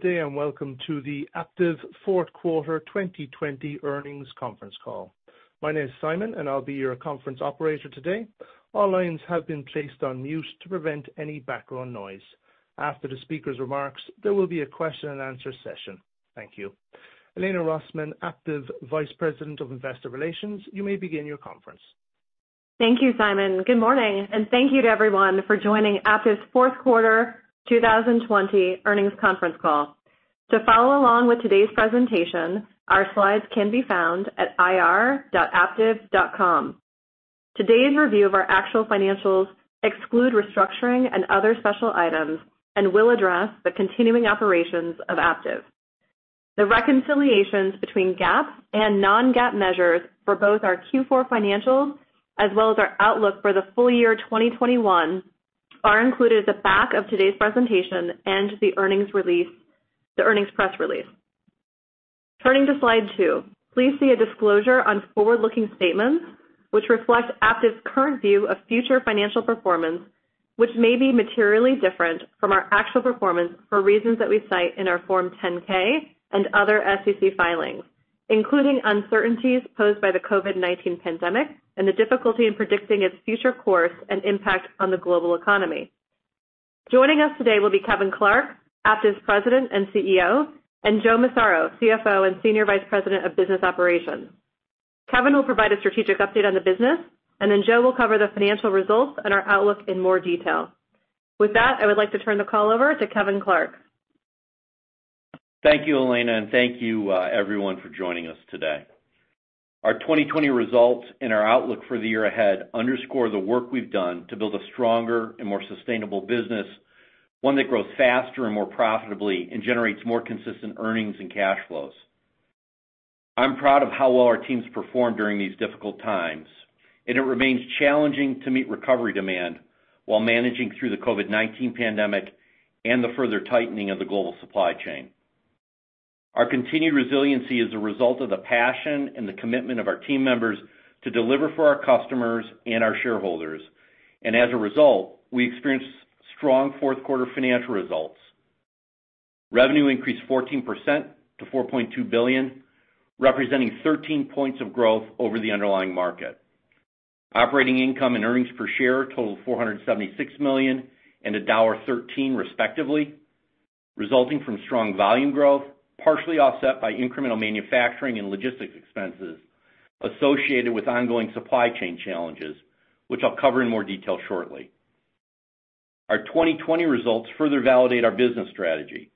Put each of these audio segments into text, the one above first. Good day and welcome to the Aptiv Q4 2020 earnings conference call. My name is Simon, and I'll be your conference operator today. All lines have been placed on mute to prevent any background noise. After the speaker's remarks, there will be a question-and-answer session. Thank you. Elena Rosman, Aptiv Vice President of Investor Relations, you may begin your conference. Thank you, Simon. Good morning, and thank you to everyone for joining Aptiv's Q4 2020 earnings conference call. To follow along with today's presentation, our slides can be found at ir.aptiv.com. Today's review of our actual financials excludes restructuring and other special items and will address the continuing operations of Aptiv. The reconciliations between GAAP and non-GAAP measures for both our Q4 financials as well as our outlook for the full year 2021 are included at the back of today's presentation and the earnings press release. Turning to slide two, please see a disclosure on forward-looking statements which reflect Aptiv's current view of future financial performance, which may be materially different from our actual performance for reasons that we cite in our Form 10-K and other SEC filings, including uncertainties posed by the COVID-19 pandemic and the difficulty in predicting its future course and impact on the global economy. Joining us today will be Kevin Clark, Aptiv's President and CEO, and Joe Massaro, CFO and Senior Vice President of Business Operations. Kevin will provide a strategic update on the business, and then Joe will cover the financial results and our outlook in more detail. With that, I would like to turn the call over to Kevin Clark. Thank you, Elena, and thank you, everyone, for joining us today. Our 2020 results and our outlook for the year ahead underscore the work we've done to build a stronger and more sustainable business, one that grows faster and more profitably and generates more consistent earnings and cash flows. I'm proud of how well our teams performed during these difficult times, and it remains challenging to meet recovery demand while managing through the COVID-19 pandemic and the further tightening of the global supply chain. Our continued resiliency is a result of the passion and the commitment of our team members to deliver for our customers and our shareholders, and as a result, we experienced strong fourth-quarter financial results. Revenue increased 14% to $4.2 billion, representing 13 points of growth over the underlying market. Operating income and earnings per share totaled $476 million and $1.13 respectively, resulting from strong volume growth, partially offset by incremental manufacturing and logistics expenses associated with ongoing supply chain challenges, which I'll cover in more detail shortly. Our 2020 results further validate our business strategy,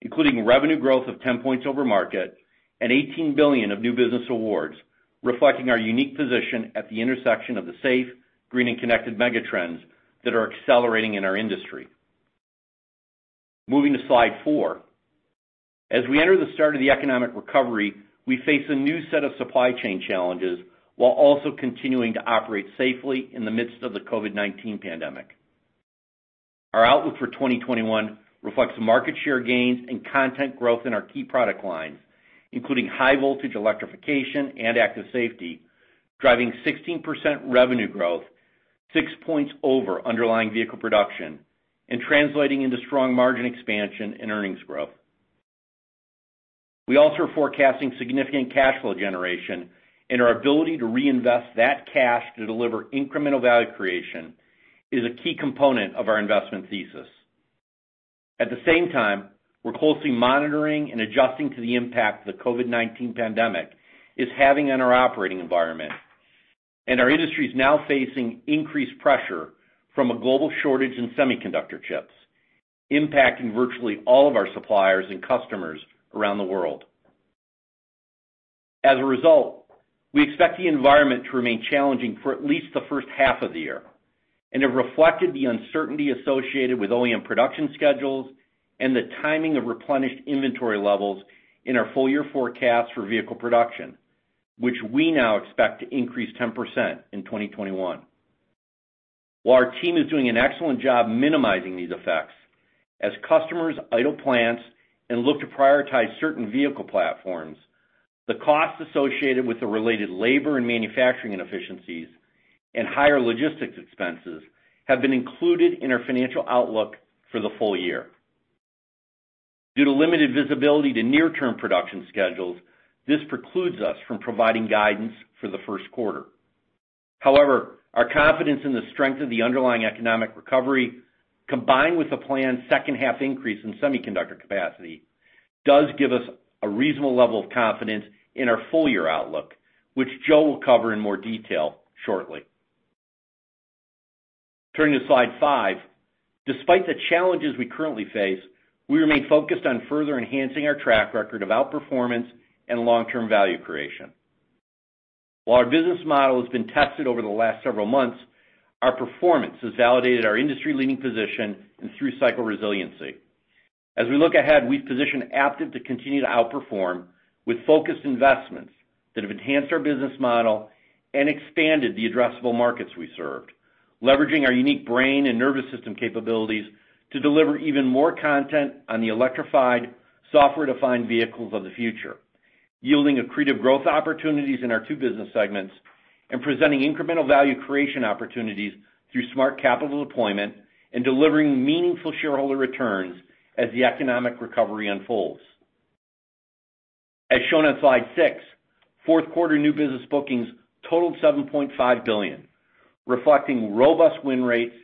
including revenue growth of 10 points over market and $18 billion of new business awards, reflecting our unique position at the intersection of the safe, green, and connected megatrends that are accelerating in our industry. Moving to slide four. As we enter the start of the economic recovery, we face a new set of supply chain challenges while also continuing to operate safely in the midst of the COVID-19 pandemic. Our outlook for 2021 reflects market share gains and content growth in our key product lines, including high-voltage electrification and Active Safety, driving 16% revenue growth, six points over underlying vehicle production, and translating into strong margin expansion and earnings growth. We also are forecasting significant cash flow generation, and our ability to reinvest that cash to deliver incremental value creation is a key component of our investment thesis. At the same time, we're closely monitoring and adjusting to the impact the COVID-19 pandemic is having on our operating environment, and our industry is now facing increased pressure from a global shortage in semiconductor chips, impacting virtually all of our suppliers and customers around the world. As a result, we expect the environment to remain challenging for at least the first half of the year, and it reflected the uncertainty associated with OEM production schedules and the timing of replenished inventory levels in our full-year forecast for vehicle production, which we now expect to increase 10% in 2021. While our team is doing an excellent job minimizing these effects, as customers idle plants and look to prioritize certain vehicle platforms, the costs associated with the related labor and manufacturing inefficiencies and higher logistics expenses have been included in our financial outlook for the full year. Due to limited visibility to near-term production schedules, this precludes us from providing guidance for the Q1. However, our confidence in the strength of the underlying economic recovery, combined with the planned second-half increase in semiconductor capacity, does give us a reasonable level of confidence in our full-year outlook, which Joe will cover in more detail shortly. Turning to slide five, despite the challenges we currently face, we remain focused on further enhancing our track record of outperformance and long-term value creation. While our business model has been tested over the last several months, our performance has validated our industry-leading position and through-cycle resiliency. As we look ahead, we've positioned Aptiv to continue to outperform with focused investments that have enhanced our business model and expanded the addressable markets we served, leveraging our unique brain and nervous system capabilities to deliver even more content on the electrified, software-defined vehicles of the future, yielding accretive growth opportunities in our two business segments and presenting incremental value creation opportunities through smart capital deployment and delivering meaningful shareholder returns as the economic recovery unfolds. As shown on slide six, fourth-quarter new business bookings totaled $7.5 billion, reflecting robust win rates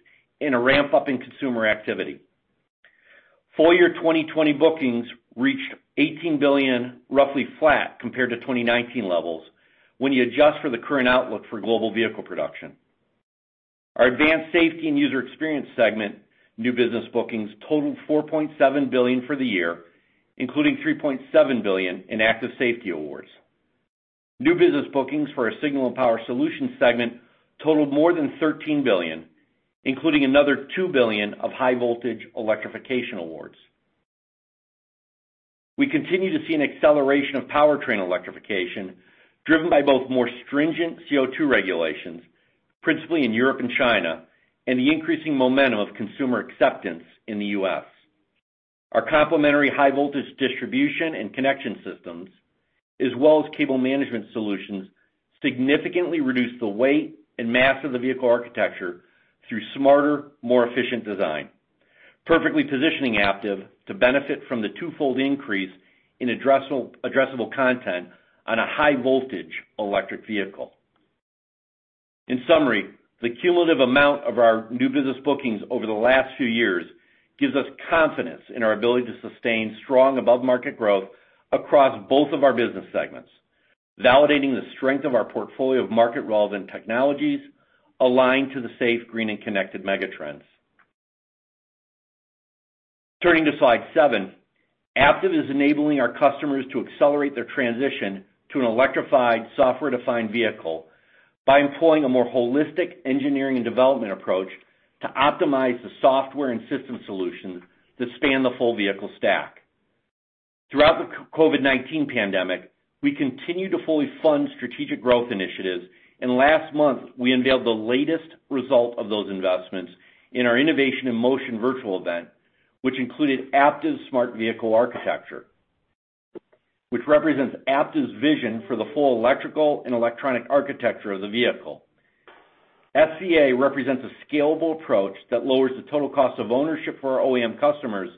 and a ramp-up in consumer activity. Full-year 2020 bookings reached $18 billion, roughly flat compared to 2019 levels when you adjust for the current outlook for global vehicle production. Our Advanced Safety and User Experience segment new business bookings totaled $4.7 billion for the year, including $3.7 billion in Active Safety awards. New business bookings for our Signal and Power Solutions segment totaled more than $13 billion, including another $2 billion of high-voltage electrification awards. We continue to see an acceleration of powertrain electrification driven by both more stringent CO2 regulations, principally in Europe and China, and the increasing momentum of consumer acceptance in the US. Our complementary high-voltage distribution and connection systems, as well as cable management solutions, significantly reduce the weight and mass of the vehicle architecture through smarter, more efficient design, perfectly positioning Aptiv to benefit from the twofold increase in addressable content on a high-voltage electric vehicle. In summary, the cumulative amount of our new business bookings over the last few years gives us confidence in our ability to sustain strong above-market growth across both of our business segments, validating the strength of our portfolio of market-relevant technologies aligned to the safe, green, and connected megatrends. Turning to slide seven, Aptiv is enabling our customers to accelerate their transition to an electrified, software-defined vehicle by employing a more holistic engineering and development approach to optimize the software and system solutions that span the full vehicle stack. Throughout the COVID-19 pandemic, we continue to fully fund strategic growth initiatives, and last month, we unveiled the latest result of those investments in our Innovation in Motion virtual event, which included Aptiv's Smart Vehicle Architecture, which represents Aptiv's vision for the full electrical and electronic architecture of the vehicle. SVA represents a scalable approach that lowers the total cost of ownership for our OEM customers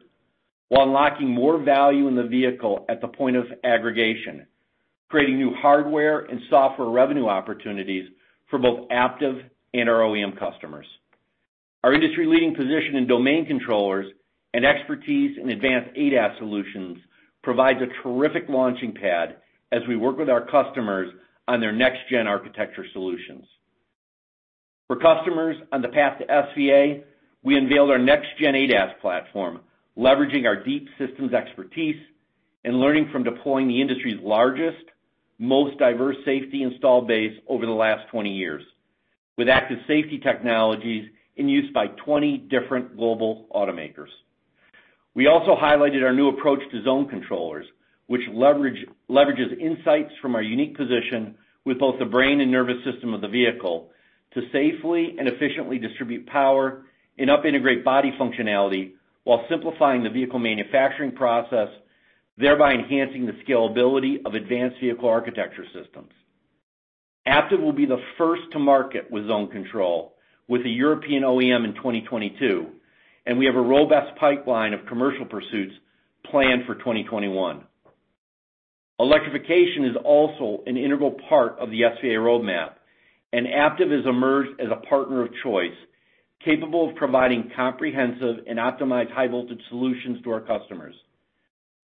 while unlocking more value in the vehicle at the point of aggregation, creating new hardware and software revenue opportunities for both Aptiv and our OEM customers. Our industry-leading position in domain controllers and expertise in advanced ADAS solutions provides a terrific launching pad as we work with our customers on their next-gen architecture solutions. For customers on the path to SVA, we unveiled our next-gen ADAS platform, leveraging our deep systems expertise and learning from deploying the industry's largest, most diverse safety installed base over the last 20 years, with Active Safety technologies in use by 20 different global automakers. We also highlighted our new approach to zone controllers, which leverages insights from our unique position with both the brain and nervous system of the vehicle to safely and efficiently distribute power and integrate body functionality while simplifying the vehicle manufacturing process, thereby enhancing the scalability of advanced vehicle architecture systems. Aptiv will be the first to market with zone control with a European OEM in 2022, and we have a robust pipeline of commercial pursuits planned for 2021. Electrification is also an integral part of the SVA roadmap, and Aptiv has emerged as a partner of choice capable of providing comprehensive and optimized high-voltage solutions to our customers.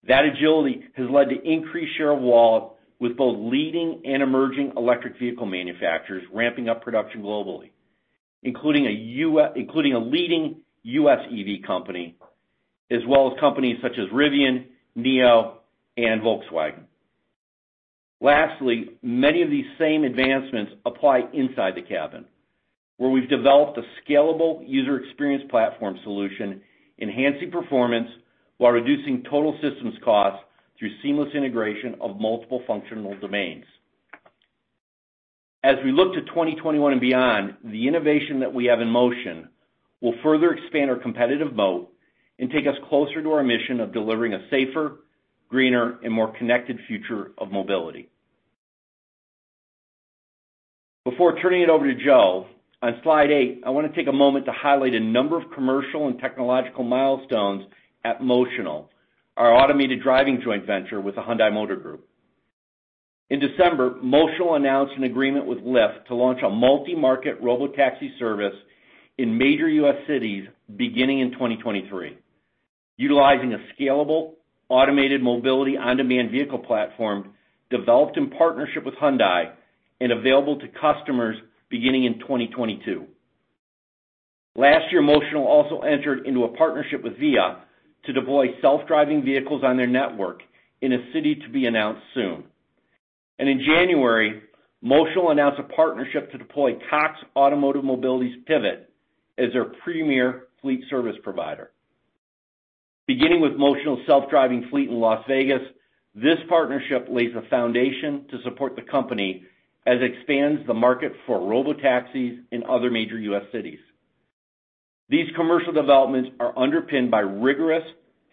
That agility has led to increased share of wallet with both leading and emerging electric vehicle manufacturers ramping up production globally, including a leading US EV company, as well as companies such as Rivian, Nio, and Volkswagen. Lastly, many of these same advancements apply inside the cabin, where we've developed a scalable user experience platform solution, enhancing performance while reducing total systems costs through seamless integration of multiple functional domains. As we look to 2021 and beyond, the innovation that we have in motion will further expand our competitive moat and take us closer to our mission of delivering a safer, greener, and more connected future of mobility. Before turning it over to Joe, on slide eight, I want to take a moment to highlight a number of commercial and technological milestones at Motional, our automated driving joint venture with the Hyundai Motor Group. In December, Motional announced an agreement with Lyft to launch a multi-market robotaxi service in major US cities beginning in 2023, utilizing a scalable automated mobility on-demand vehicle platform developed in partnership with Hyundai and available to customers beginning in 2022. Last year, Motional also entered into a partnership with Via to deploy self-driving vehicles on their network in a city to be announced soon. In January, Motional announced a partnership to deploy Cox Automotive Mobility's Pivet as their premier fleet service provider. Beginning with Motional's self-driving fleet in Las Vegas, this partnership lays the foundation to support the company as it expands the market for robotaxis in other major US cities. These commercial developments are underpinned by rigorous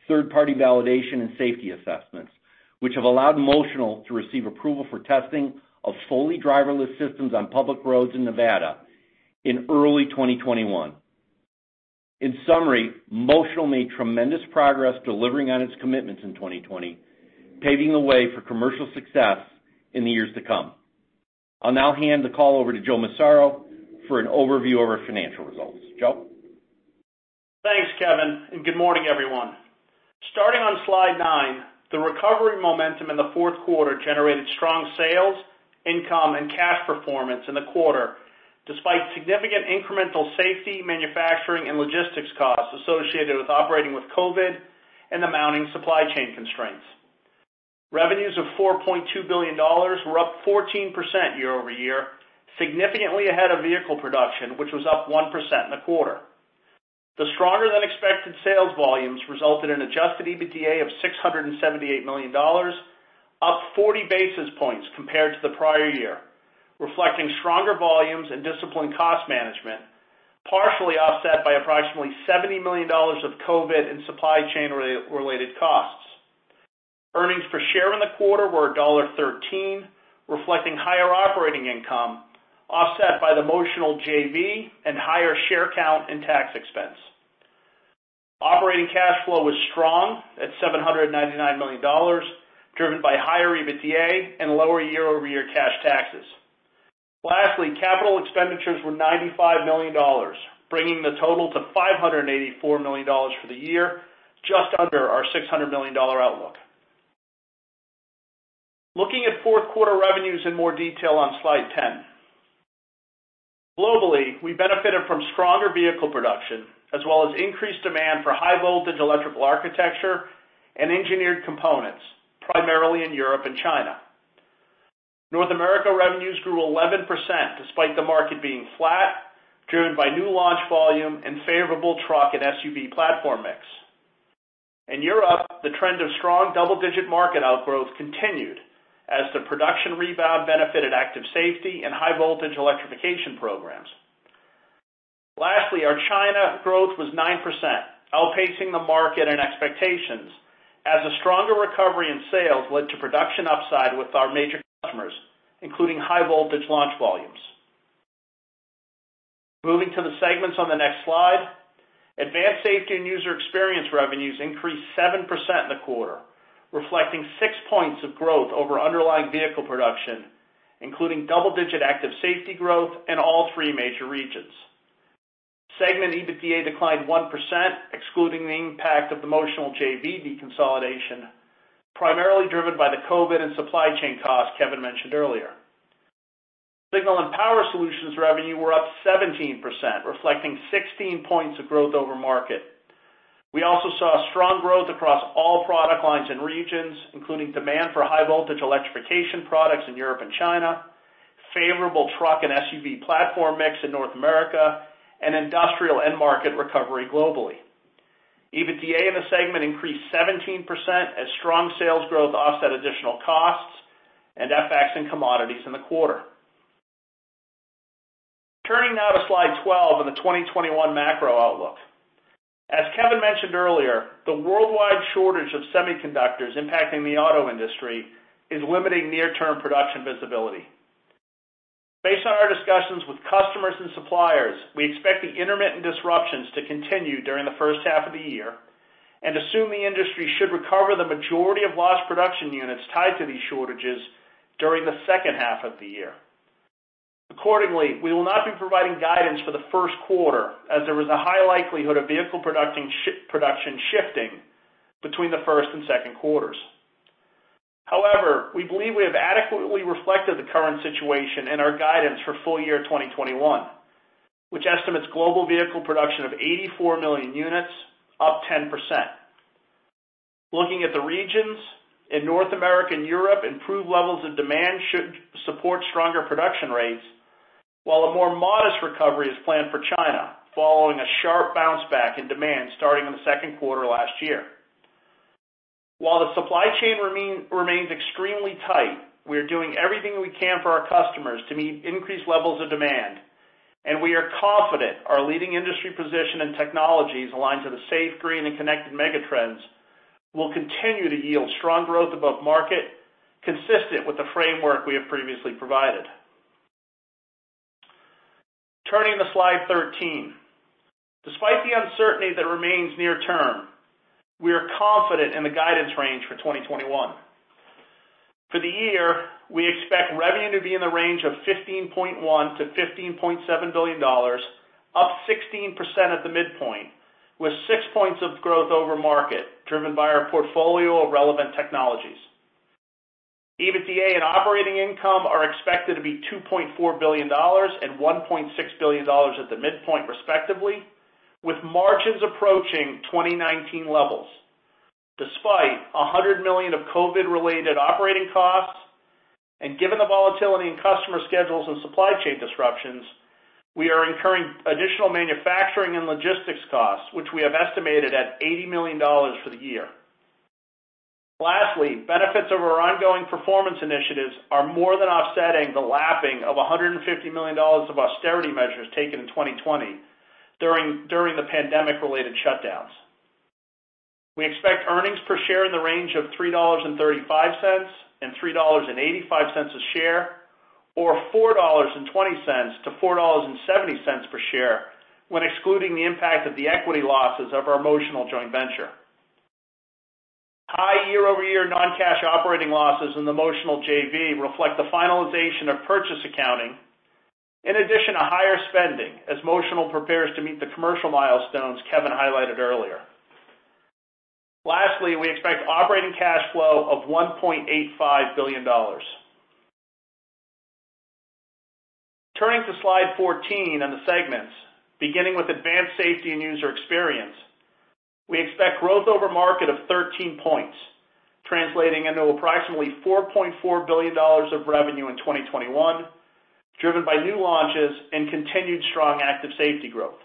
third-party validation and safety assessments, which have allowed Motional to receive approval for testing of fully driverless systems on public roads in Nevada in early 2021. In summary, Motional made tremendous progress delivering on its commitments in 2020, paving the way for commercial success in the years to come. I'll now hand the call over to Joe Massaro for an overview of our financial results. Joe? Thanks, Kevin, and good morning, everyone. Starting on slide nine, the recovery momentum in the Q4 generated strong sales, income, and cash performance in the quarter, despite significant incremental safety, manufacturing, and logistics costs associated with operating with COVID and the mounting supply chain constraints. Revenues of $4.2 billion were up 14% year over year, significantly ahead of vehicle production, which was up 1% in the quarter. The stronger-than-expected sales volumes resulted in adjusted EBITDA of $678 million, up 40 basis points compared to the prior year, reflecting stronger volumes and disciplined cost management, partially offset by approximately $70 million of COVID and supply chain-related costs. Earnings per share in the quarter were $1.13, reflecting higher operating income, offset by the Motional JV and higher share count and tax expense. Operating cash flow was strong at $799 million, driven by higher EBITDA and lower year-over-year cash taxes. Lastly, capital expenditures were $95 million, bringing the total to $584 million for the year, just under our $600 million outlook. Looking at fourth-quarter revenues in more detail on slide 10, globally, we benefited from stronger vehicle production as well as increased demand for high-voltage electrical architecture and engineered components, primarily in Europe and China. North America revenues grew 11% despite the market being flat, driven by new launch volume and favorable truck and SUV platform mix. In Europe, the trend of strong double-digit market outgrowth continued as the production rebound benefited Active Safety and high-voltage electrification programs. Lastly, our China growth was 9%, outpacing the market and expectations as a stronger recovery in sales led to production upside with our major customers, including high-voltage launch volumes. Moving to the segments on the next slide, Advanced Safety and User Experience revenues increased 7% in the quarter, reflecting 6 points of growth over underlying vehicle production, including double-digit Active Safety growth in all three major regions. Segment EBITDA declined 1%, excluding the impact of the Motional JV deconsolidation, primarily driven by the COVID and supply chain costs Kevin mentioned earlier. Signal and Power Solutions revenue were up 17%, reflecting 16 points of growth over market. We also saw strong growth across all product lines and regions, including demand for High-Voltage Electrification products in Europe and China, favorable truck and SUV platform mix in North America, and industrial end market recovery globally. EBITDA in the segment increased 17% as strong sales growth offset additional costs and FX and commodities in the quarter. Turning now to slide 12 on the 2021 macro outlook. As Kevin mentioned earlier, the worldwide shortage of semiconductors impacting the auto industry is limiting near-term production visibility. Based on our discussions with customers and suppliers, we expect the intermittent disruptions to continue during the first half of the year and assume the industry should recover the majority of lost production units tied to these shortages during the second half of the year. Accordingly, we will not be providing guidance for the Q1 as there is a high likelihood of vehicle production shifting between the first and Q2s. However, we believe we have adequately reflected the current situation in our guidance for full year 2021, which estimates global vehicle production of 84 million units, up 10%. Looking at the regions, in North America and Europe, improved levels of demand should support stronger production rates, while a more modest recovery is planned for China following a sharp bounce back in demand starting in the Q2 last year. While the supply chain remains extremely tight, we are doing everything we can for our customers to meet increased levels of demand, and we are confident our leading industry position and technologies aligned to the safe, green, and connected megatrends will continue to yield strong growth above market, consistent with the framework we have previously provided. Turning to slide 13, despite the uncertainty that remains near term, we are confident in the guidance range for 2021. For the year, we expect revenue to be in the range of $15.1-$15.7 billion, up 16% at the midpoint, with 6 points of growth over market driven by our portfolio of relevant technologies. EBITDA and operating income are expected to be $2.4 billion and $1.6 billion at the midpoint, respectively, with margins approaching 2019 levels. Despite $100 million of COVID-related operating costs and given the volatility in customer schedules and supply chain disruptions, we are incurring additional manufacturing and logistics costs, which we have estimated at $80 million for the year. Lastly, benefits of our ongoing performance initiatives are more than offsetting the lapping of $150 million of austerity measures taken in 2020 during the pandemic-related shutdowns. We expect earnings per share in the range of $3.35 and $3.85 a share, or $4.20 to $4.70 per share when excluding the impact of the equity losses of our Motional joint venture. High year-over-year non-cash operating losses in the Motional JV reflect the finalization of purchase accounting, in addition to higher spending as Motional prepares to meet the commercial milestones Kevin highlighted earlier. Lastly, we expect operating cash flow of $1.85 billion. Turning to slide 14 on the segments, beginning with Advanced Safety and User Experience, we expect growth over market of 13 points, translating into approximately $4.4 billion of revenue in 2021, driven by new launches and continued strong Active Safety growth.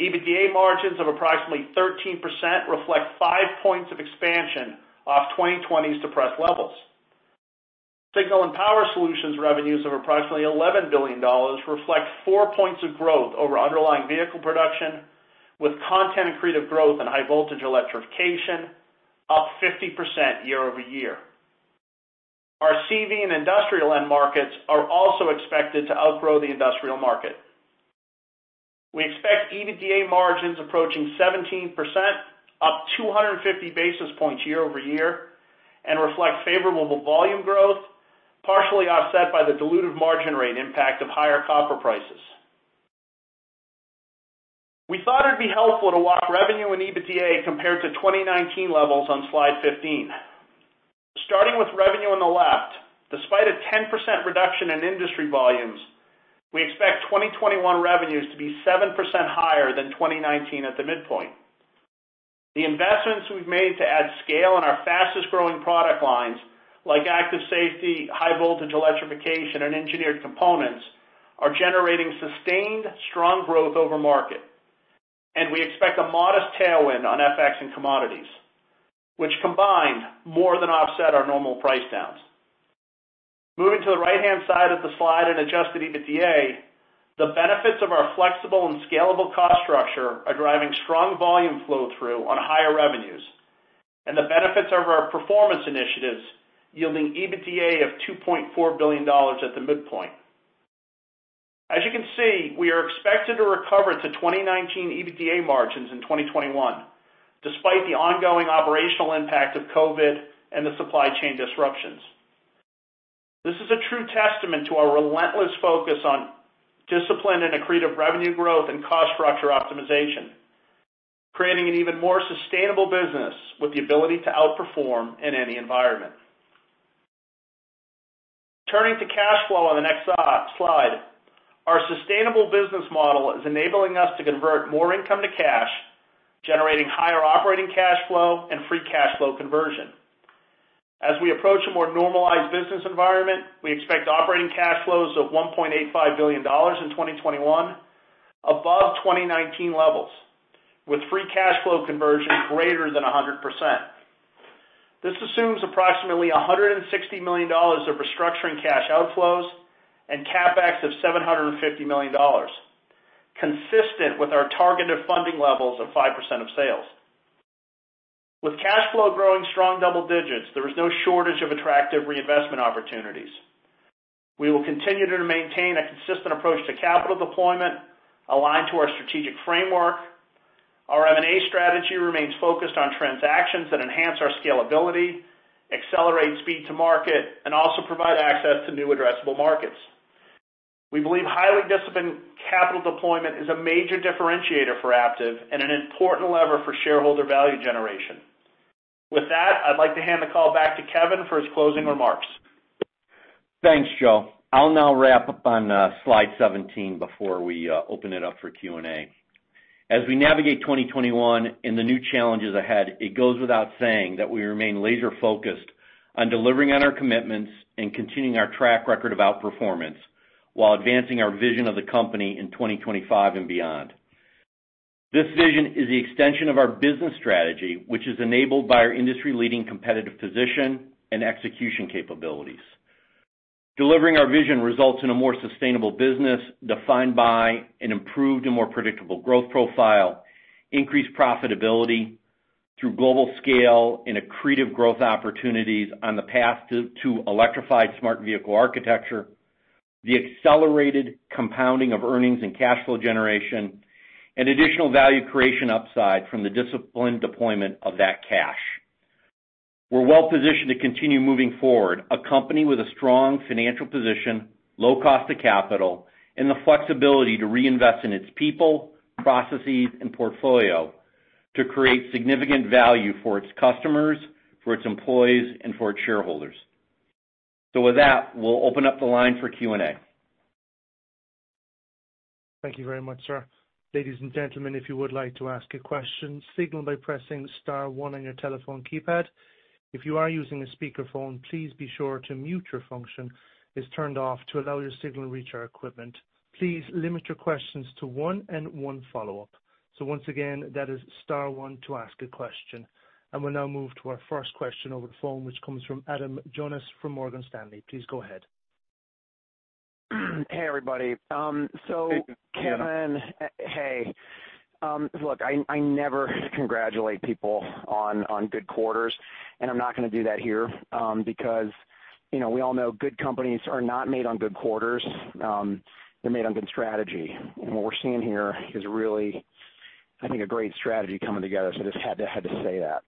EBITDA margins of approximately 13% reflect 5 points of expansion off 2020's depressed levels. Signal and Power Solutions revenues of approximately $11 billion reflect four points of growth over underlying vehicle production, with content and creative growth in High-Voltage Electrification, up 50% year-over-year. Our CV and industrial end markets are also expected to outgrow the industrial market. We expect EBITDA margins approaching 17%, up 250 basis points year-over-year, and reflect favorable volume growth, partially offset by the diluted margin rate impact of higher copper prices. We thought it'd be helpful to walk revenue and EBITDA compared to 2019 levels on slide 15. Starting with revenue on the left, despite a 10% reduction in industry volumes, we expect 2021 revenues to be 7% higher than 2019 at the midpoint. The investments we've made to add scale in our fastest-growing product lines, like Active Safety, High-Voltage Electrification, and Engineered Components, are generating sustained strong growth over market, and we expect a modest tailwind on FX and commodities, which combined more than offset our normal price downs. Moving to the right-hand side of the slide and adjusted EBITDA, the benefits of our flexible and scalable cost structure are driving strong volume flow-through on higher revenues, and the benefits of our performance initiatives yielding EBITDA of $2.4 billion at the midpoint. As you can see, we are expected to recover to 2019 EBITDA margins in 2021, despite the ongoing operational impact of COVID and the supply chain disruptions. This is a true testament to our relentless focus on discipline and accretive revenue growth and cost structure optimization, creating an even more sustainable business with the ability to outperform in any environment. Turning to cash flow on the next slide, our sustainable business model is enabling us to convert more income to cash, generating higher operating cash flow and free cash flow conversion. As we approach a more normalized business environment, we expect operating cash flows of $1.85 billion in 2021, above 2019 levels, with free cash flow conversion greater than 100%. This assumes approximately $160 million of restructuring cash outflows and CapEx of $750 million, consistent with our targeted funding levels of 5% of sales. With cash flow growing strong double digits, there is no shortage of attractive reinvestment opportunities. We will continue to maintain a consistent approach to capital deployment aligned to our strategic framework. Our M&A strategy remains focused on transactions that enhance our scalability, accelerate speed to market, and also provide access to new addressable markets. We believe highly disciplined capital deployment is a major differentiator for Aptiv and an important lever for shareholder value generation. With that, I'd like to hand the call back to Kevin for his closing remarks. Thanks, Joe. I'll now wrap up on slide 17 before we open it up for Q&A. As we navigate 2021 and the new challenges ahead, it goes without saying that we remain laser-focused on delivering on our commitments and continuing our track record of outperformance while advancing our vision of the company in 2025 and beyond. This vision is the extension of our business strategy, which is enabled by our industry-leading competitive position and execution capabilities. Delivering our vision results in a more sustainable business defined by an improved and more predictable growth profile, increased profitability through global scale and accretive growth opportunities on the path to electrified smart vehicle architecture, the accelerated compounding of earnings and cash flow generation, and additional value creation upside from the disciplined deployment of that cash. We're well-positioned to continue moving forward, a company with a strong financial position, low cost of capital, and the flexibility to reinvest in its people, processes, and portfolio to create significant value for its customers, for its employees, and for its shareholders. So with that, we'll open up the line for Q&A. Thank you very much, sir. Ladies and gentlemen, if you would like to ask a question, signal by pressing star one on your telephone keypad. If you are using a speakerphone, please be sure to mute your function. It's turned off to allow your signal to reach our equipment. Please limit your questions to one and one follow-up. So once again, that is star one to ask a question. And we'll now move to our first question over the phone, which comes from Adam Jonas from Morgan Stanley. Please go ahead. Hey, everybody. So Kevin, hey. Look, I never congratulate people on good quarters, and I'm not going to do that here because we all know good companies are not made on good quarters. They're made on good strategy. And what we're seeing here is really, I think, a great strategy coming together. So I just had to say that.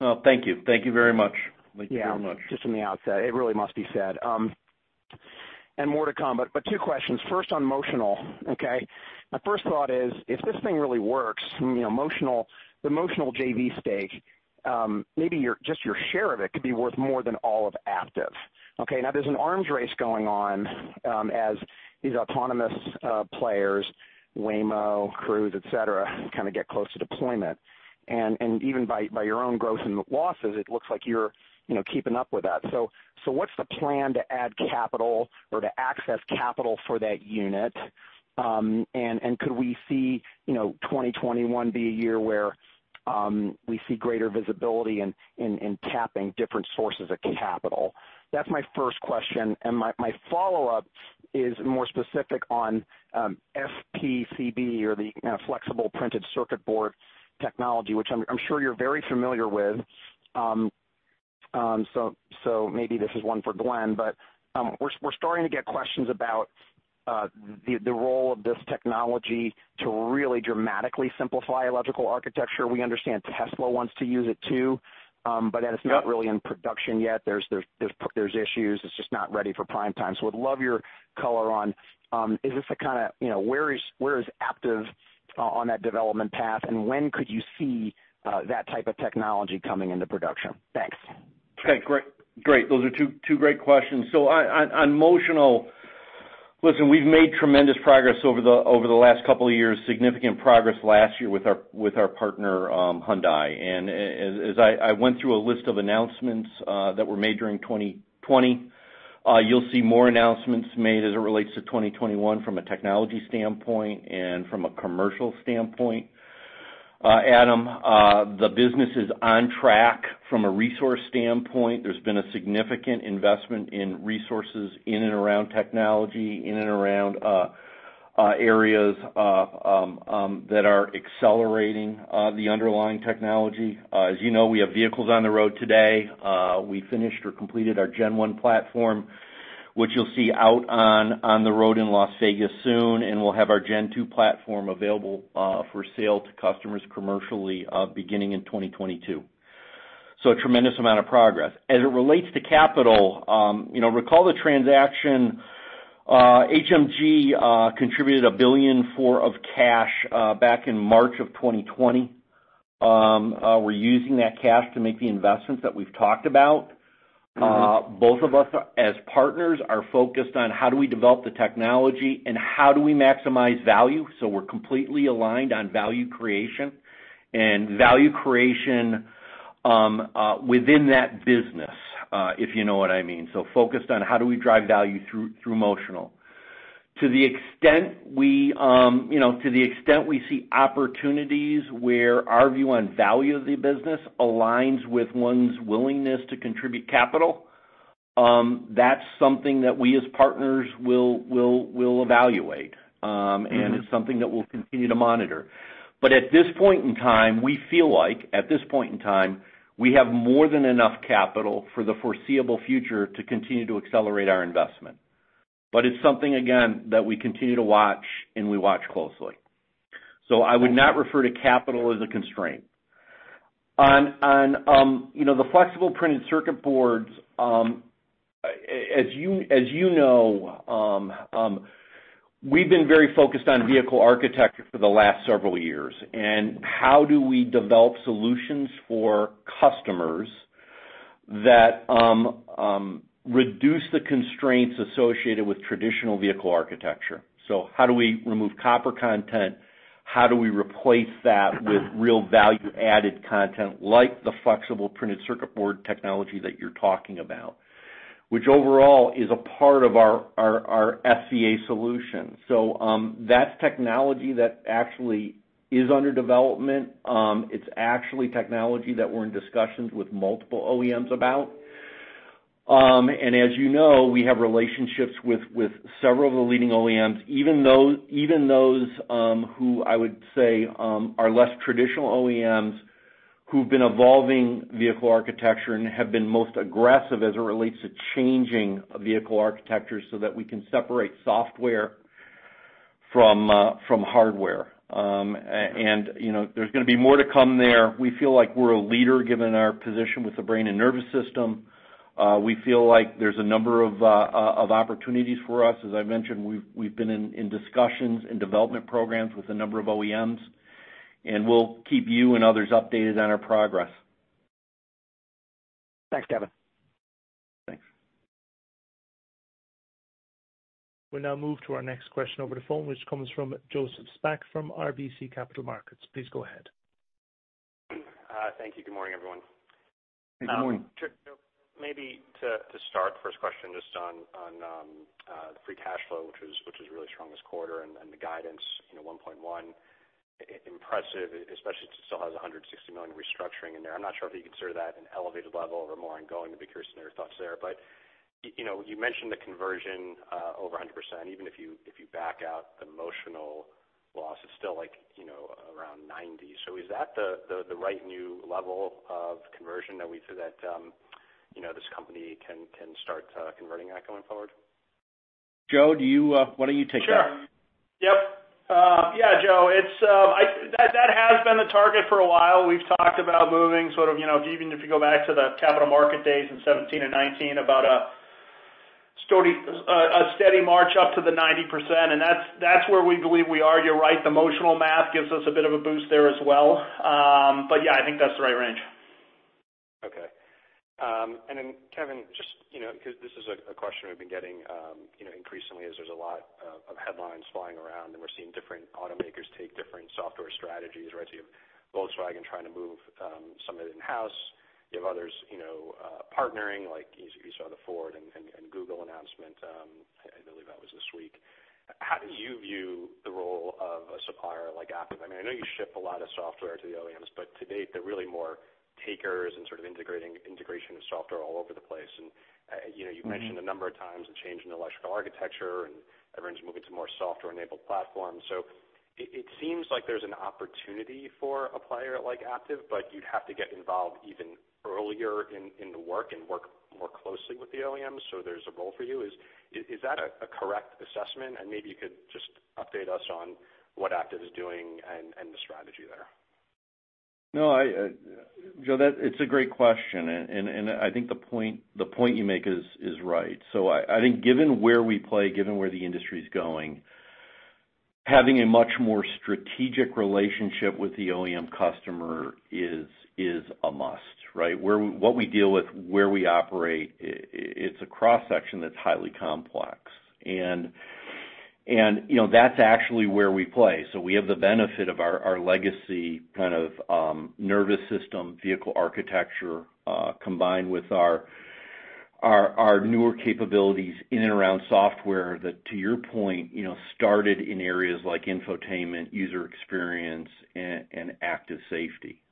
Well, thank you. Thank you very much. Thank you very much. Yeah, just from the outset. It really must be said. And more to come. But two questions. First, on Motional, okay? My first thought is, if this thing really works, the Motional JV stake, maybe just your share of it could be worth more than all of Aptiv. Okay? Now, there's an arms race going on as these autonomous players, Waymo, Cruise, etc., kind of get close to deployment. And even by your own growth and losses, it looks like you're keeping up with that. So what's the plan to add capital or to access capital for that unit? And could we see 2021 be a year where we see greater visibility in tapping different sources of capital? That's my first question. And my follow-up is more specific on FPCB, or the Flexible Printed Circuit Board technology, which I'm sure you're very familiar with. So maybe this is one for Glen. But we're starting to get questions about the role of this technology to really dramatically simplify electrical architecture. We understand Tesla wants to use it too, but that it's not really in production yet. There's issues. It's just not ready for prime time. So we'd love your color on, is this the kind of where is Aptiv on that development path, and when could you see that type of technology coming into production? Thanks. Okay. Great. Great. Those are two great questions. So on Motional, listen, we've made tremendous progress over the last couple of years, significant progress last year with our partner, Hyundai. And as I went through a list of announcements that were made during 2020, you'll see more announcements made as it relates to 2021 from a technology standpoint and from a commercial standpoint. Adam, the business is on track from a resource standpoint. There's been a significant investment in resources in and around technology, in and around areas that are accelerating the underlying technology. As you know, we have vehicles on the road today. We finished or completed our Gen 1 platform, which you'll see out on the road in Las Vegas soon, and we'll have our Gen 2 platform available for sale to customers commercially beginning in 2022. So a tremendous amount of progress. As it relates to capital, recall the transaction. HMG contributed $1 billion of cash back in March of 2020. We're using that cash to make the investments that we've talked about. Both of us, as partners, are focused on how do we develop the technology and how do we maximize value. So we're completely aligned on value creation and value creation within that business, if you know what I mean. So focused on how do we drive value through Motional. To the extent we see opportunities where our view on value of the business aligns with one's willingness to contribute capital, that's something that we, as partners, will evaluate, and it's something that we'll continue to monitor, but at this point in time, we feel like we have more than enough capital for the foreseeable future to continue to accelerate our investment, but it's something, again, that we continue to watch, and we watch closely, so I would not refer to capital as a constraint. On the flexible printed circuit boards, as you know, we've been very focused on vehicle architecture for the last several years, and how do we develop solutions for customers that reduce the constraints associated with traditional vehicle architecture, so how do we remove copper content? How do we replace that with real value-added content like the flexible printed circuit board technology that you're talking about, which overall is a part of our SVA solution? So that's technology that actually is under development. It's actually technology that we're in discussions with multiple OEMs about. And as you know, we have relationships with several of the leading OEMs, even those who I would say are less traditional OEMs who've been evolving vehicle architecture and have been most aggressive as it relates to changing vehicle architecture so that we can separate software from hardware. And there's going to be more to come there. We feel like we're a leader given our position with the brain and nervous system. We feel like there's a number of opportunities for us. As I mentioned, we've been in discussions and development programs with a number of OEMs. And we'll keep you and others updated on our progress. Thanks, Kevin. Thanks. We'll now move to our next question over the phone, which comes from Joseph Spack from RBC Capital Markets. Please go ahead. Thank you. Good morning, everyone. Good morning. Maybe to start, first question, just on the free cash flow, which was really strong this quarter and the guidance $1.1 billion, impressive, especially since it still has $160 million restructuring in there. I'm not sure if you consider that an elevated level or more ongoing. I'd be curious to know your thoughts there. But you mentioned the conversion over 100%. Even if you back out the Motional loss, it's still around 90%. So is that the right new level of conversion that we see that this company can start converting at going forward? Joe, why don't you take that? That has been the target for a while. We've talked about moving sort of even if you go back to the capital market days in 2017 and 2019, about a steady march up to the 90%. And that's where we believe we are. You're right. The Motional math gives us a bit of a boost there as well. But yeah, I think that's the right range. Okay. And then, Kevin, just because this is a question we've been getting increasingly as there's a lot of headlines flying around, and we're seeing different automakers take different software strategies, right? So you have Volkswagen trying to move some of it in-house. You have others partnering, like you saw the Ford and Google announcement. I believe that was this week. How do you view the role of a supplier like Aptiv? I mean, I know you ship a lot of software to the OEMs, but to date, they're really more takers and sort of integrating software all over the place. And you mentioned a number of times the change in electrical architecture, and everyone's moving to more software-enabled platforms. So it seems like there's an opportunity for a player like Aptiv, but you'd have to get involved even earlier in the work and work more closely with the OEMs. So there's a role for you. Is that a correct assessment? And maybe you could just update us on what Aptiv is doing and the strategy there. No, Joe, it's a great question. And I think the point you make is right. So I think given where we play, given where the industry is going, having a much more strategic relationship with the OEM customer is a must, right? What we deal with, where we operate, it's a cross-section that's highly complex, and that's actually where we play. So we have the benefit of our legacy kind of nervous system vehicle architecture combined with our newer capabilities in and around software that, to your point, started in areas like infotainment, user experience, and Active Safety.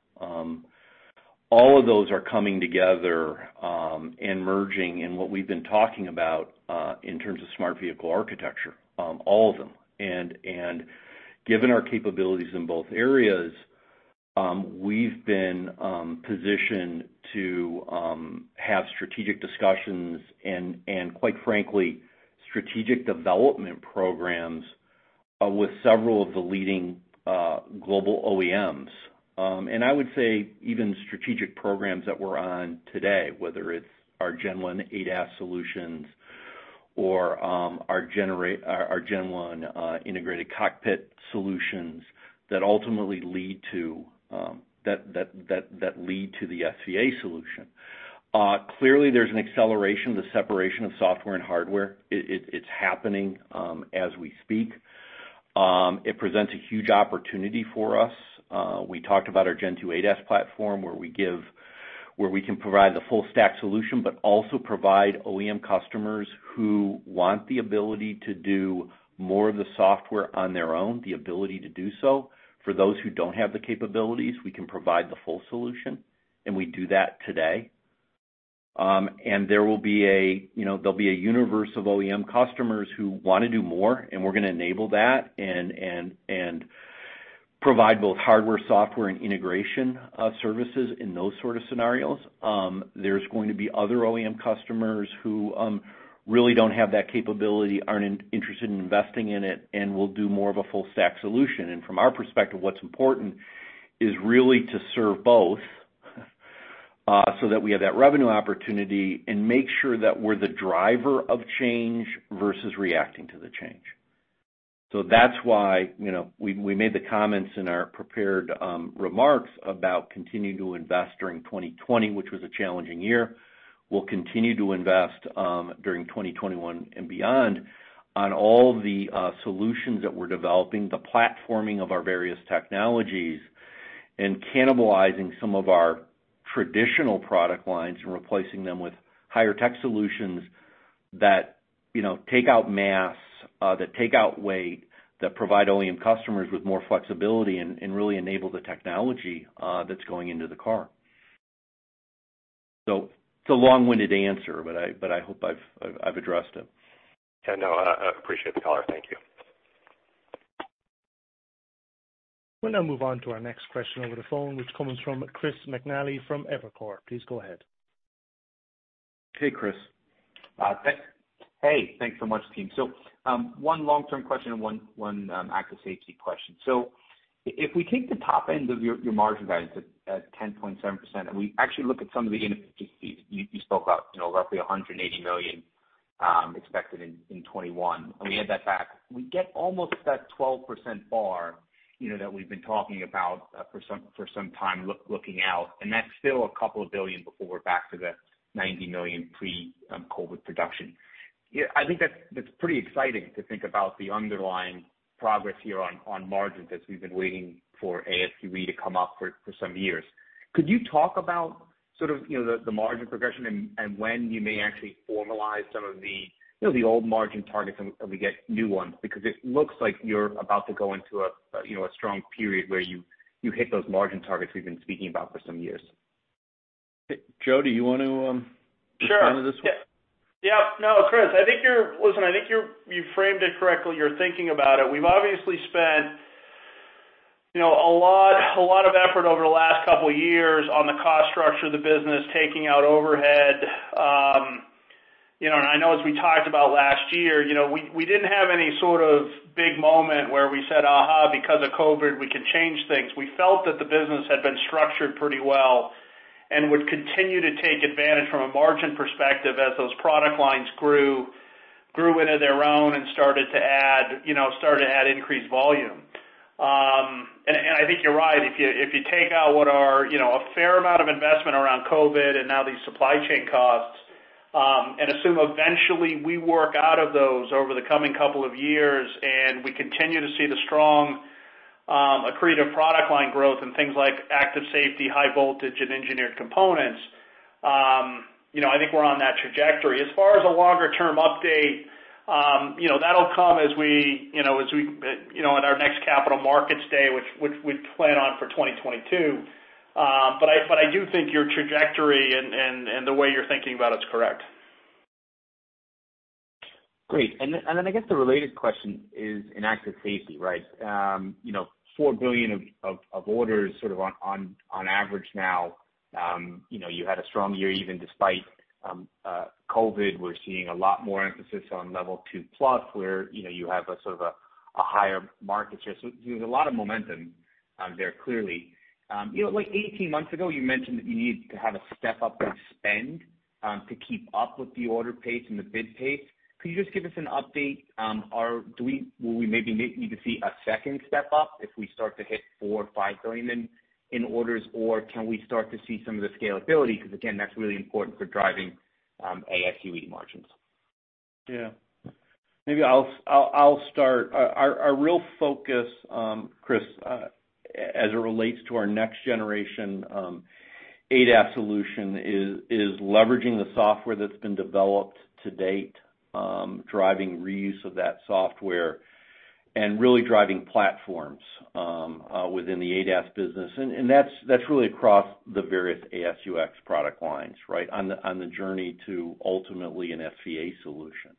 All of those are coming together and merging in what we've been talking about in terms of smart vehicle architecture, all of them, and given our capabilities in both areas, we've been positioned to have strategic discussions and, quite frankly, strategic development programs with several of the leading global OEMs, and I would say even strategic programs that we're on today, whether it's our Gen 1 ADAS solutions or our Gen 1 integrated cockpit solutions that ultimately lead to the SVA solution. Clearly, there's an acceleration of the separation of software and hardware. It's happening as we speak. It presents a huge opportunity for us. We talked about our Gen 2 ADAS platform, where we can provide the full-stack solution, but also provide OEM customers who want the ability to do more of the software on their own, the ability to do so. For those who don't have the capabilities, we can provide the full solution. And we do that today. And there'll be a universe of OEM customers who want to do more, and we're going to enable that and provide both hardware, software, and integration services in those sort of scenarios. There's going to be other OEM customers who really don't have that capability, aren't interested in investing in it, and will do more of a full-stack solution. And from our perspective, what's important is really to serve both so that we have that revenue opportunity and make sure that we're the driver of change versus reacting to the change. So that's why we made the comments in our prepared remarks about continuing to invest during 2020, which was a challenging year. We'll continue to invest during 2021 and beyond on all the solutions that we're developing, the platforming of our various technologies, and cannibalizing some of our traditional product lines and replacing them with higher-tech solutions that take out mass, that take out weight, that provide OEM customers with more flexibility and really enable the technology that's going into the car. So it's a long-winded answer, but I hope I've addressed it. Yeah, no, I appreciate the caller. Thank you. We'll now move on to our next question over the phone, which comes from Chris McNally from Evercore. Please go ahead. Hey, Chris. Hey. Thanks so much, team. So one long-term question and one Active Safety question. So if we take the top end of your margin values at 10.7%, and we actually look at some of the units you spoke about, roughly 180 million expected in 2021, and we add that back, we get almost that 12% bar that we've been talking about for some time looking out. And that's still a couple of billion before we're back to the 90 million pre-COVID production. I think that's pretty exciting to think about the underlying progress here on margins as we've been waiting for ASUX to come up for some years. Could you talk about sort of the margin progression and when you may actually formalize some of the old margin targets and we get new ones? Because it looks like you're about to go into a strong period where you hit those margin targets we've been speaking about for some years. Joe, do you want to respond to this one? Sure. Yep. No, Chris, I think you're right, I think you framed it correctly. You're thinking about it. We've obviously spent a lot of effort over the last couple of years on the cost structure of the business, taking out overhead. I know as we talked about last year, we didn't have any sort of big moment where we said, "Aha, because of COVID, we can change things." We felt that the business had been structured pretty well and would continue to take advantage from a margin perspective as those product lines grew into their own and started to add increased volume. I think you're right. If you take out what are a fair amount of investment around COVID and now these supply chain costs and assume eventually we work out of those over the coming couple of years and we continue to see the strong accretive product line growth and things like Active Safety, high voltage, and engineered components, I think we're on that trajectory. As far as a longer-term update, that'll come as we on our next capital markets day, which we plan on for 2022. But I do think your trajectory and the way you're thinking about it is correct. Great. And then I guess the related question is in Active Safety, right? $4 billion of orders sort of on average now. You had a strong year even despite COVID. We're seeing a lot more emphasis on Level 2 Plus, where you have sort of a higher market share. So there's a lot of momentum there clearly. Like 18 months ago, you mentioned that you need to have a step-up in spend to keep up with the order pace and the bid pace. Could you just give us an update? Or will we maybe need to see a second step-up if we start to hit $4-$5 billion in orders? Or can we start to see some of the scalability? Because again, that's really important for driving AS&UX margins. Yeah. Maybe I'll start. Our real focus, Chris, as it relates to our next-generation ADAS solution, is leveraging the software that's been developed to date, driving reuse of that software, and really driving platforms within the ADAS business. And that's really across the various AS&UX product lines, right, on the journey to ultimately an SVA solution.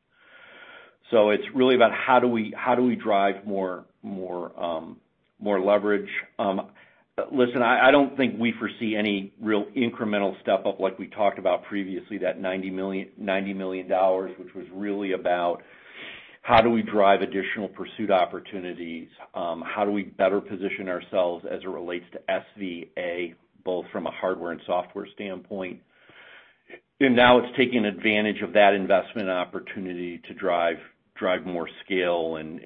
So it's really about how do we drive more leverage? Listen, I don't think we foresee any real incremental step-up like we talked about previously, that $90 million, which was really about how do we drive additional pursuit opportunities? How do we better position ourselves as it relates to SVA, both from a hardware and software standpoint? And now it's taking advantage of that investment opportunity to drive more scale and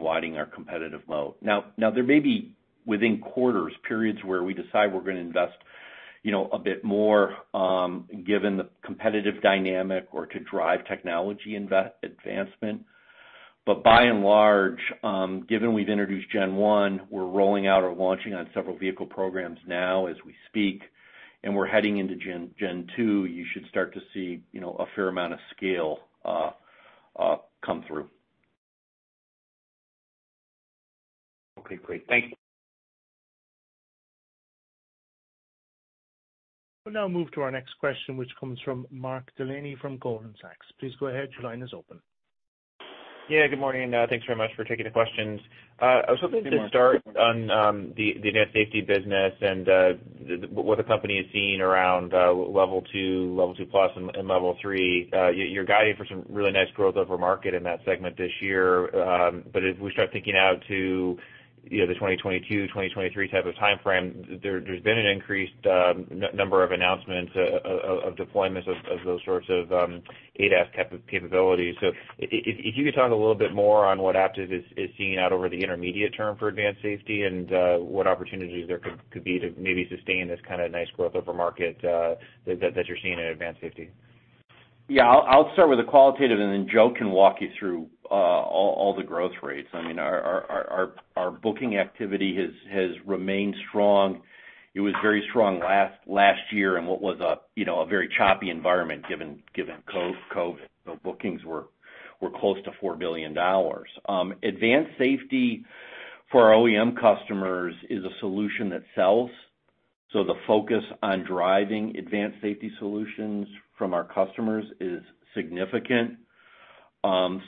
widening our competitive moat. Now, there may be within quarters periods where we decide we're going to invest a bit more given the competitive dynamic or to drive technology advancement. But by and large, given we've introduced Gen 1, we're rolling out or launching on several vehicle programs now as we speak. And we're heading into Gen 2. You should start to see a fair amount of scale come through. Okay. Great. Thank you. We'll now move to our next question, which comes from Mark Delaney from Goldman Sachs. Please go ahead. Your line is open. Yeah. Good morning. Thanks very much for taking the questions. I was hoping to start on the advanced safety business and what the company is seeing around Level 2, Level 2 Plus, and Level 3. You're guiding for some really nice growth over market in that segment this year. But if we start thinking out to the 2022, 2023 type of timeframe, there's been an increased number of announcements of deployments of those sorts of ADAS capabilities. So if you could talk a little bit more on what Aptiv is seeing out over the intermediate term for advanced safety and what opportunities there could be to maybe sustain this kind of nice growth over market that you're seeing in advanced safety. Yeah. I'll start with the qualitative and then Joe can walk you through all the growth rates. I mean, our booking activity has remained strong. It was very strong last year in what was a very choppy environment given COVID. So bookings were close to $4 billion. Advanced safety for our OEM customers is a solution that sells. So the focus on driving advanced safety solutions from our customers is significant.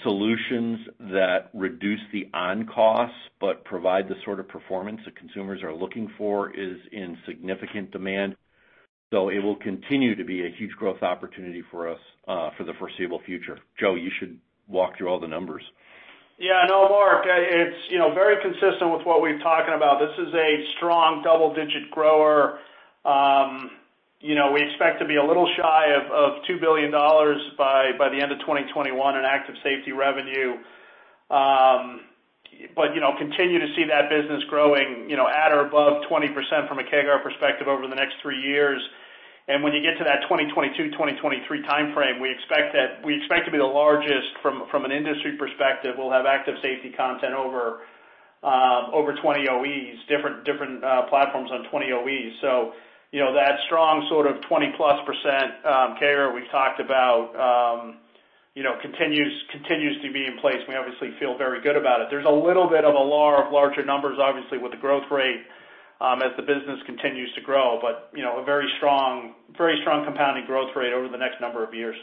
Solutions that reduce the on-cost but provide the sort of performance that consumers are looking for is in significant demand. So it will continue to be a huge growth opportunity for us for the foreseeable future. Joe, you should walk through all the numbers. Yeah. No, Mark, it's very consistent with what we're talking about. This is a strong double-digit grower. We expect to be a little shy of $2 billion by the end of 2021 in Active Safety revenue, but continue to see that business growing at or above 20% from a CAGR perspective over the next three years. And when you get to that 2022, 2023 timeframe, we expect to be the largest from an industry perspective. We'll have Active Safety content over 20 OEs, different platforms on 20 OEs. So that strong sort of 20-plus% CAGR we've talked about continues to be in place. We obviously feel very good about it. There's a little bit of allure of larger numbers, obviously, with the growth rate as the business continues to grow, but a very strong compounding growth rate over the next number of years.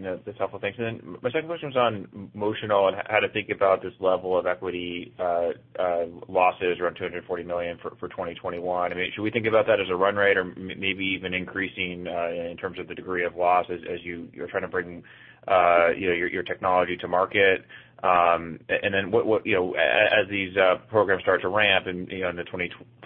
That's helpful. Thanks. And then my second question was on Motional and how to think about this level of equity losses around $240 million for 2021. I mean, should we think about that as a run rate or maybe even increasing in terms of the degree of loss as you're trying to bring your technology to market? And then as these programs start to ramp in the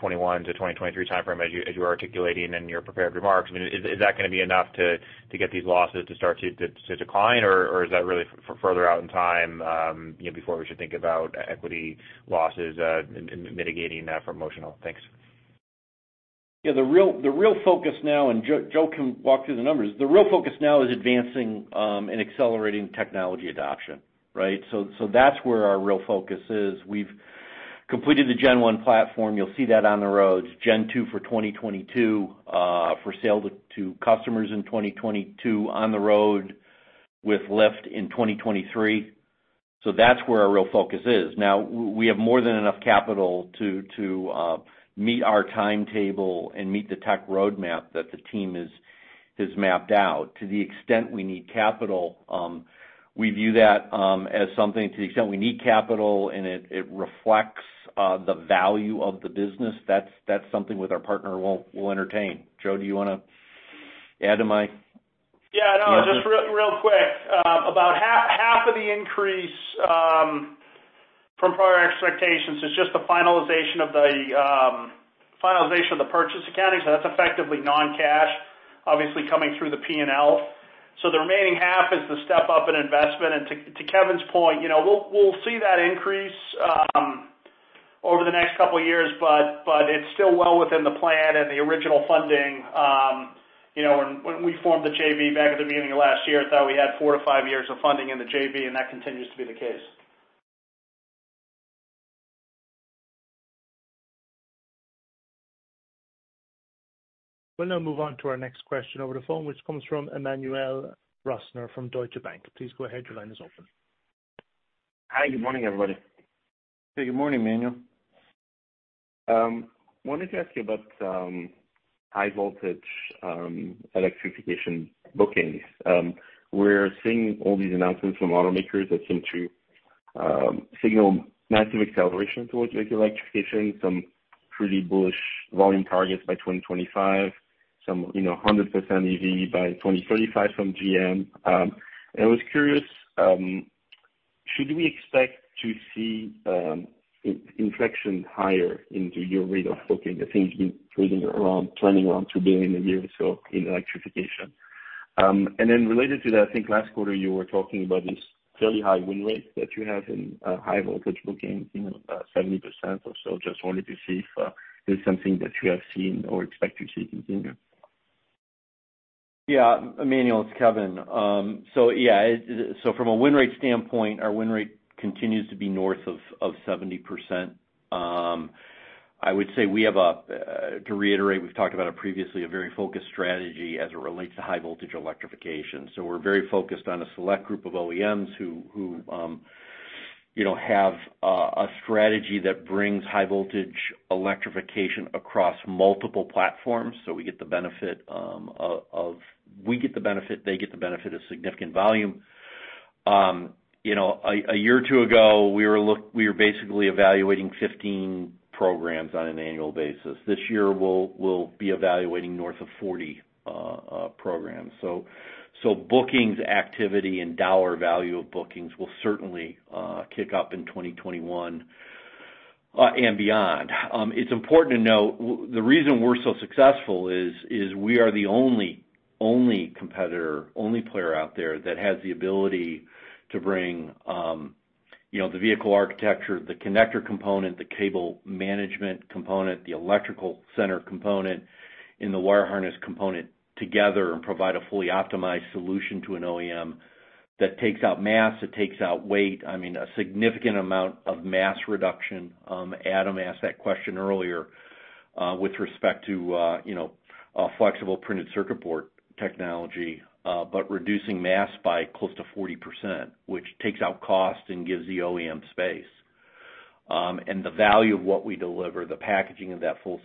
2021-2023 timeframe, as you're articulating in your prepared remarks, I mean, is that going to be enough to get these losses to start to decline, or is that really further out in time before we should think about equity losses and mitigating that from Motional? Thanks. Yeah. The real focus now, and Joe can walk through the numbers, the real focus now is advancing and accelerating technology adoption, right? So that's where our real focus is. We've completed the Gen 1 platform. You'll see that on the road. Gen 2 for 2022 for sale to customers in 2022 on the road with Lyft in 2023. So that's where our real focus is. Now, we have more than enough capital to meet our timetable and meet the tech roadmap that the team has mapped out. To the extent we need capital, we view that as something to the extent we need capital and it reflects the value of the business, that's something with our partner we'll entertain. Joe, do you want to add to my? Yeah. No, just real quick. About half of the increase from prior expectations is just the finalization of the purchase accounting. So that's effectively non-cash, obviously coming through the P&L. So the remaining half is the step-up in investment. And to Kevin's point, we'll see that increase over the next couple of years, but it's still well within the plan and the original funding. When we formed the JV back at the beginning of last year, I thought we had four to five years of funding in the JV, and that continues to be the case. We'll now move on to our next question over the phone, which comes from Emmanuel Rosner from Deutsche Bank. Please go ahead. Your line is open. Hi. Good morning, everybody. Hey. Good morning, Emmanuel. I wanted to ask you about high-voltage electrification bookings. We're seeing all these announcements from automakers that seem to signal massive acceleration towards electrification, some pretty bullish volume targets by 2025, some 100% EV by 2035 from GM. And I was curious, should we expect to see inflection higher into your rate of booking? I think it's been turning around $2 billion a year or so in electrification. And then related to that, I think last quarter you were talking about this fairly high win rate that you have in high-voltage bookings, 70% or so. Just wanted to see if there's something that you have seen or expect to see continue. Yeah. Emmanuel, it's Kevin. So yeah, so from a win rate standpoint, our win rate continues to be north of 70%. I would say we have a, to reiterate, we've talked about it previously, a very focused strategy as it relates to high-voltage electrification. So we're very focused on a select group of OEMs who have a strategy that brings high-voltage electrification across multiple platforms. So we get the benefit, they get the benefit of significant volume. A year or two ago, we were basically evaluating 15 programs on an annual basis. This year, we'll be evaluating north of 40 programs. So bookings activity and dollar value of bookings will certainly kick up in 2021 and beyond. It's important to note, the reason we're so successful is we are the only competitor, only player out there that has the ability to bring the vehicle architecture, the connector component, the cable management component, the electrical center component, and the wire harness component together and provide a fully optimized solution to an OEM that takes out mass, it takes out weight, I mean, a significant amount of mass reduction. Adam asked that question earlier with respect to flexible printed circuit board technology, but reducing mass by close to 40%, which takes out cost and gives the OEM space. The value of what we deliver, the packaging of that full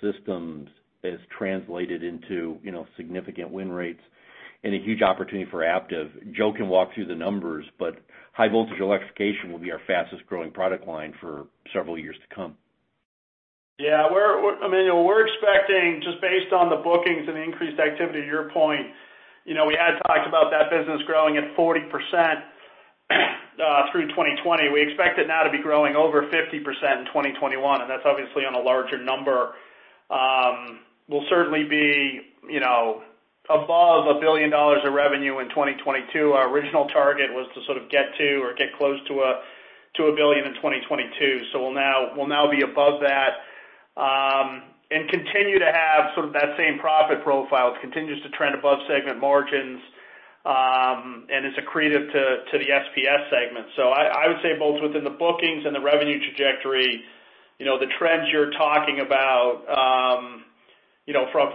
system is translated into significant win rates and a huge opportunity for Aptiv. Joe can walk through the numbers, but high-voltage electrification will be our fastest-growing product line for several years to come. Yeah. Emmanuel, we're expecting, just based on the bookings and increased activity, your point, we had talked about that business growing at 40% through 2020. We expect it now to be growing over 50% in 2021, and that's obviously on a larger number. We'll certainly be above $1 billion of revenue in 2022. Our original target was to sort of get to or get close to $1 billion in 2022. So we'll now be above that and continue to have sort of that same profile that continues to trend above segment margins and is accretive to the SPS segment. So I would say both within the bookings and the revenue trajectory, the trends you're talking about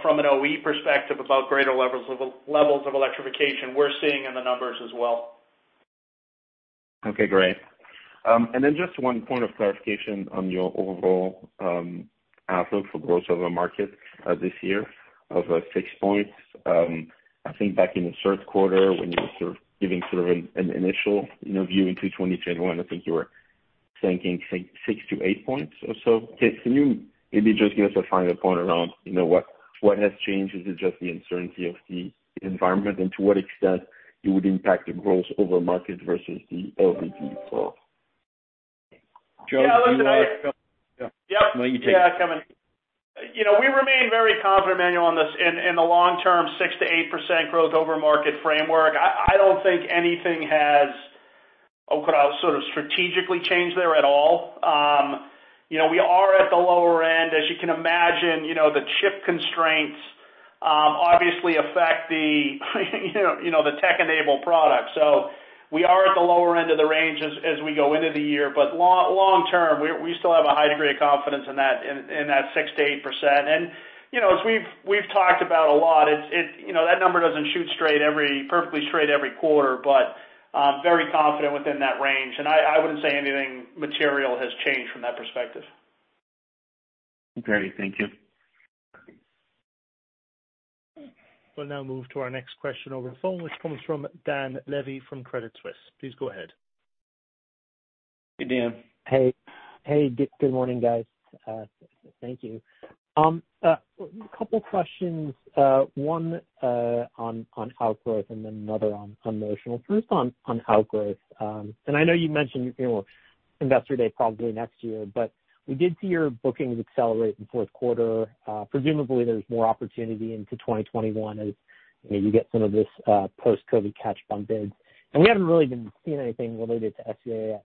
from an OE perspective about greater levels of electrification, we're seeing in the numbers as well. Okay. Great. And then just one point of clarification on your overall outlook for growth of the market this year of six points. I think back in the Q3, when you were sort of giving sort of an initial view into 2021, I think you were thinking six to eight points or so. Can you maybe just give us a final point around what has changed? Is it just the uncertainty of the environment and to what extent it would impact the growth over market versus the LVD growth? Joe? Yeah. Yeah. Yeah. Kevin. We remain very confident, Emmanuel, on this in the long-term six to eight% growth over market framework. I don't think anything has, oh, could I sort of strategically change there at all? We are at the lower end, as you can imagine. The chip constraints obviously affect the tech-enabled product. So we are at the lower end of the range as we go into the year. But long-term, we still have a high degree of confidence in that 6%-8%. And as we've talked about a lot, that number doesn't shoot perfectly straight every quarter, but very confident within that range. And I wouldn't say anything material has changed from that perspective. Okay. Thank you. We'll now move to our next question over the phone, which comes from Dan Levy from Credit Suisse. Please go ahead. Hey. Hey. Good morning, guys. Thank you. A couple of questions, one on outgrowth and then another on Motional. First on outgrowth. And I know you mentioned investor day probably next year, but we did see your bookings accelerate in the Q4. Presumably, there's more opportunity into 2021 as you get some of this post-COVID catch-up on bids. And we haven't really been seeing anything related to SVA.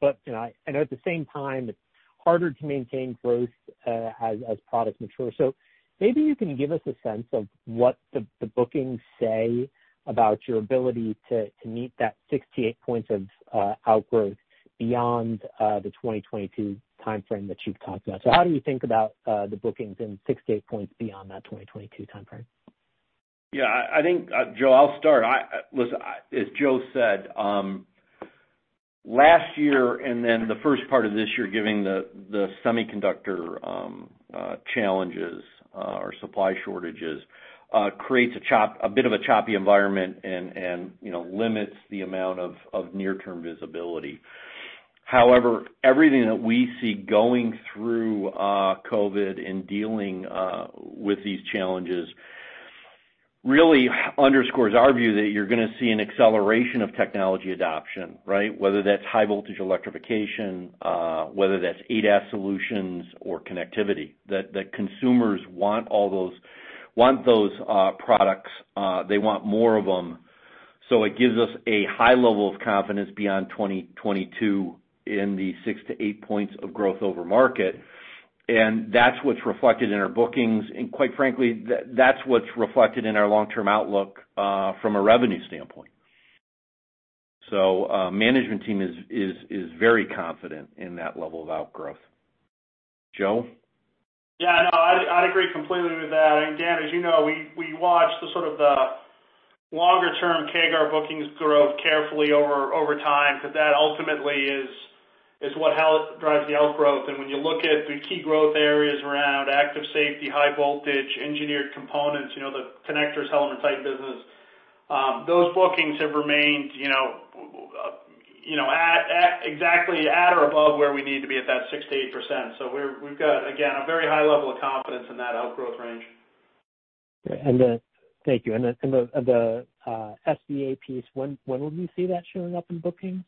But I know at the same time, it's harder to maintain growth as products mature. So maybe you can give us a sense of what the bookings say about your ability to meet that 6 to 8 points of outgrowth beyond the 2022 timeframe that you've talked about. So how do we think about the bookings in 6 to 8 points beyond that 2022 timeframe? Yeah. I think, Joe, I'll start. As Joe said, last year and then the first part of this year, given the semiconductor challenges or supply shortages, creates a bit of a choppy environment and limits the amount of near-term visibility. However, everything that we see going through COVID and dealing with these challenges really underscores our view that you're going to see an acceleration of technology adoption, right? Whether that's high-voltage electrification, whether that's ASUX solutions, or connectivity. The consumers want those products. They want more of them. So it gives us a high level of confidence beyond 2022 in the 6-8 points of growth over market. And that's what's reflected in our bookings. And quite frankly, that's what's reflected in our long-term outlook from a revenue standpoint. So the management team is very confident in that level of outgrowth. Joe? Yeah. No, I'd agree completely with that. And again, as you know, we watched sort of the longer-term CAGR bookings grow carefully over time because that ultimately is what drives the outgrowth. And when you look at the key growth areas around Active Safety, high-voltage, engineered components, the connectors, harness, and wire business, those bookings have remained exactly at or above where we need to be at that 6%-8%. So we've got, again, a very high level of confidence in that outgrowth range. And thank you. And the SBA piece, when will you see that showing up in bookings?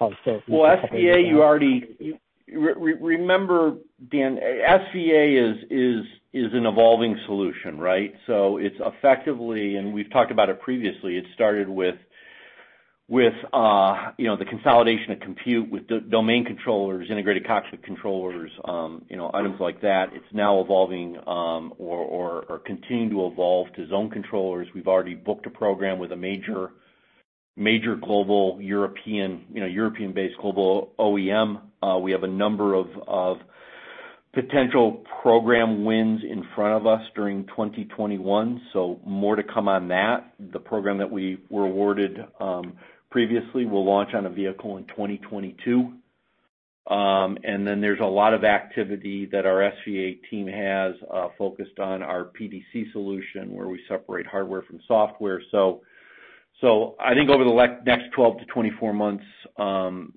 Well, SBA, you already remember, Dan. SBA is an evolving solution, right? So it's effectively, and we've talked about it previously, it started with the consolidation of compute with domain controllers, integrated cockpit controllers, items like that. It's now evolving or continuing to evolve to zone controllers. We've already booked a program with a major global European-based global OEM. We have a number of potential program wins in front of us during 2021, so more to come on that. The program that we were awarded previously will launch on a vehicle in 2022. And then there's a lot of activity that our SVA team has focused on our PDC solution where we separate hardware from software. So I think over the next 12 to 24 months,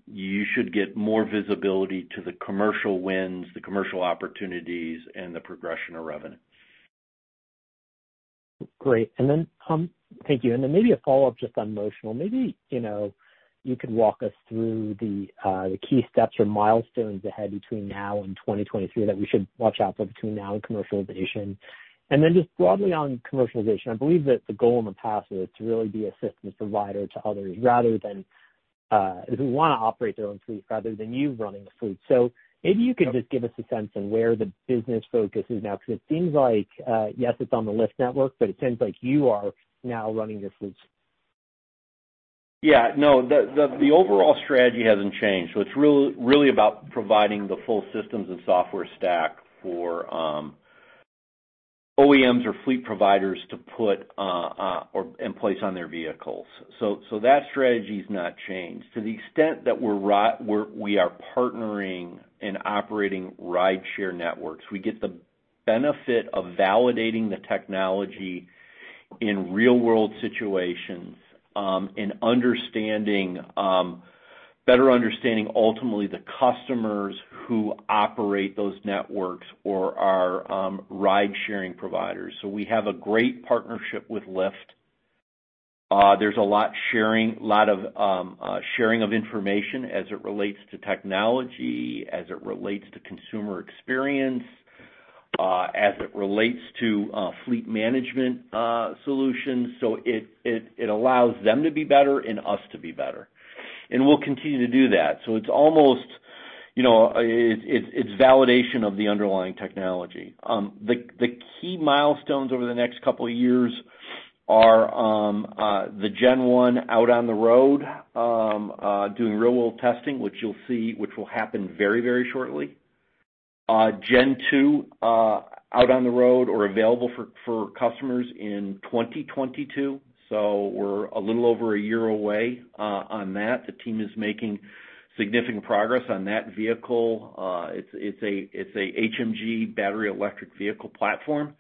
you should get more visibility to the commercial wins, the commercial opportunities, and the progression of revenue. Great. And then thank you. And then maybe a follow-up just on Motional. Maybe you could walk us through the key steps or milestones ahead between now and 2023 that we should watch out for between now and commercialization. And then just broadly on commercialization, I believe that the goal in the past was to really be a systems provider to others rather than - we want to operate their own fleet rather than you running the fleet. So maybe you could just give us a sense of where the business focus is now because it seems like, yes, it's on the Lyft network, but it seems like you are now running your fleets. Yeah. No, the overall strategy hasn't changed. It's really about providing the full systems and software stack for OEMs or fleet providers to put in place on their vehicles. That strategy has not changed. To the extent that we are partnering and operating rideshare networks, we get the benefit of validating the technology in real-world situations and better understanding ultimately the customers who operate those networks or our ridesharing providers. We have a great partnership with Lyft. There's a lot of sharing of information as it relates to technology, as it relates to consumer experience, as it relates to fleet management solutions. It allows them to be better and us to be better. We'll continue to do that. It's almost. It's validation of the underlying technology. The key milestones over the next couple of years are the Gen 1 out on the road doing real-world testing, which you'll see, which will happen very, very shortly. Gen 2 out on the road or available for customers in 2022. So we're a little over a year away on that. The team is making significant progress on that vehicle. It's an HMG battery electric vehicle platform.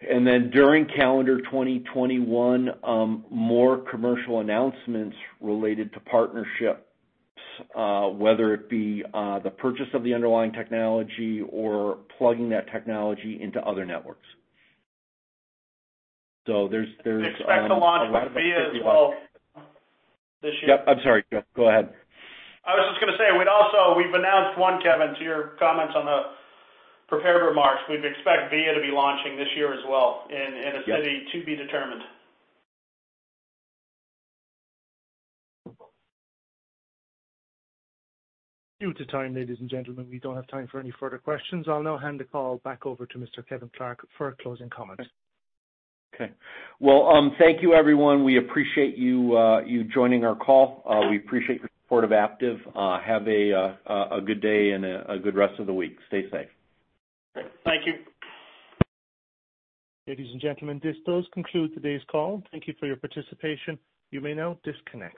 And then during calendar 2021, more commercial announcements related to partnerships, whether it be the purchase of the underlying technology or plugging that technology into other networks. So there's a lot of this year. Yep. I'm sorry. Go ahead. I was just going to say we've announced one, Kevin, to your comments on the prepared remarks. We'd expect Via to be launching this year as well in a city to be determined. Due to time, ladies and gentlemen, we don't have time for any further questions. I'll now hand the call back over to Mr. Kevin Clark for closing comments. Okay. Well, thank you, everyone. We appreciate you joining our call. We appreciate the support of Aptiv. Have a good day and a good rest of the week. Stay safe. Thank you. Ladies and gentlemen, this does conclude today's call. Thank you for your participation. You may now disconnect.